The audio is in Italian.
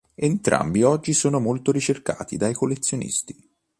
Entrambi oggi sono molto ricercati dai collezionisti.